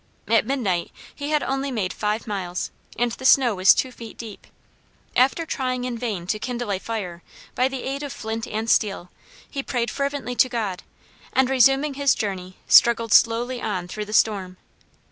At midnight he had only made five miles, and the snow was two feet deep. After trying in vain to kindle a fire by the aid of flint and steel, he prayed fervently to God, and resuming his journey struggled slowly on through the storm.